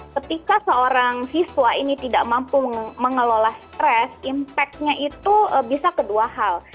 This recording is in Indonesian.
ketika seorang siswa ini tidak mampu mengelola stres impact nya itu bisa kedua hal